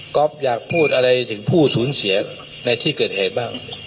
อยากพูดอะไรถึงผู้สูญเสียในที่เกิดเหตุบ้าง